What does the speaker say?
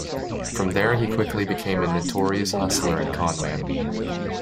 From there, he quickly became a notorious hustler and conman.